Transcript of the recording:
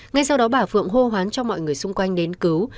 ngay sau đó bà phượng hô hoán cho mọi người xung quanh đến cứu